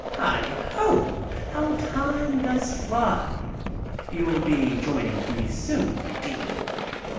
"Heigho! How time does fly! You'll be joining me soon, my dear."